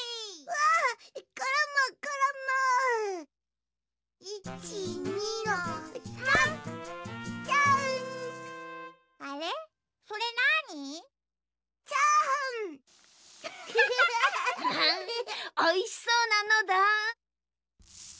おいしそうなのだ。